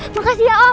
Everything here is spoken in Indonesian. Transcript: makasih ya om